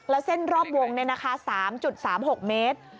แล้วเส้นรอบวง๓๓๖เมตร